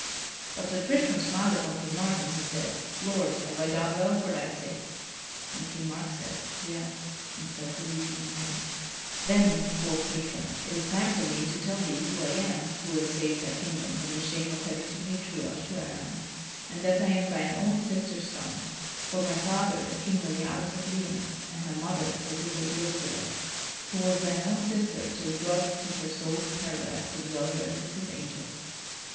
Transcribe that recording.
But Sir Tristram smiled upon King Mark, and he said: "Lord, have I done well for thy sake?" And King Mark said, "Yea," and fell to weeping again. [Sidenote: Sir Tristram proclaims himself to King Mark] "Then," quoth Tristram, "it is time for me to tell thee who I am who have saved thy kingdom from the shame of having to pay truage to Ireland, and that I am thine own sister's son. For my father is King Meliadus of Lyonesse, and my mother was the Lady Elizabeth, who was thine own sister till God took her soul to Paradise to dwell there with His angels."